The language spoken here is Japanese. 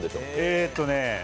えーっとね